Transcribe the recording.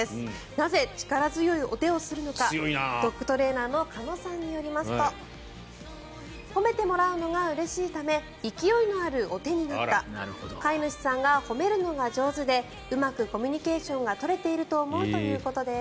なぜ、力強いお手をするのかドッグトレーナーの鹿野さんによりますと褒めてもらうのがうれしいため勢いのあるお手になった飼い主さんが褒めるのが上手でうまくコミュニケーションが取れていると思うということです。